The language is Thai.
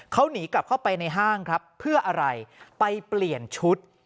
เขาหนีกลับเข้าไปในห้างครับเพื่ออะไรไปเปลี่ยนชุด